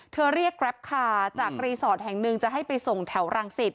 เรียกแกรปคาร์จากรีสอร์ทแห่งหนึ่งจะให้ไปส่งแถวรังสิต